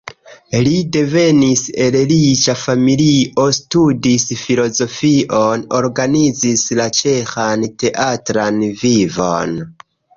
Li devenis el riĉa familio, studis filozofion, organizis la ĉeĥan teatran vivon.